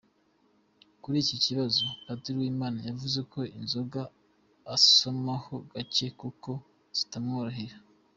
Kuri iki kibazo, Padiri Uwimana yavuze ko inzoga asomaho gace kuko zitamuryohera.